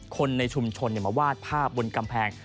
คนในชุมชนมาวาดภาพบนกำแพง